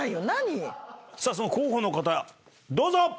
何⁉さあその候補の方どうぞ！